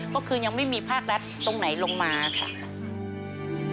ก็คือยังไม่มีภาครัฐตรงไหนลงมาค่ะ